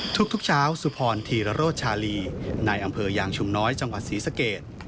ทุกเช้าสุพรธีรโรชาลีในอำเภอยางชุมน้อยจังหวัดศรีสเกต